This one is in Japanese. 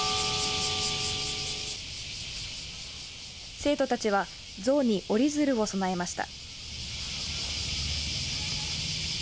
生徒たちは像に折り鶴を供えました。